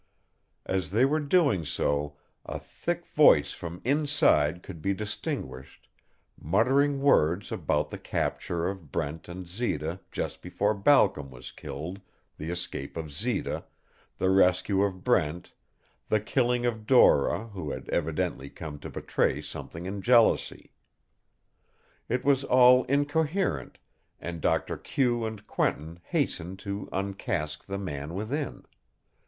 As they were doing so a thick voice from inside could be distinguished, muttering words about the capture of Brent and Zita just before Balcom was killed, the escape of Zita, the rescue of Brent, the killing of Dora, who had evidently come to betray something in jealousy. It was all incoherent and Doctor Q and Quentin hastened to uncasque the man within.